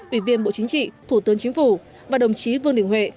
ủy viên bộ chính trị thủ tướng chính phủ và đồng chí vương đình huệ